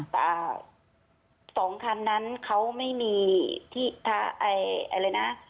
แต่สองคันนั้นเขาไม่มีที่ท้าอะไรนะ